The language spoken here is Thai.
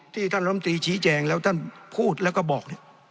ที่ท่านรมตรีชี้แจงแล้วท่านพูดแล้วก็บอก